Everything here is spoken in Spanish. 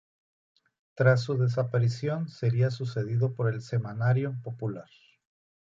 Tras su desaparición sería sucedido por "El Semanario Popular".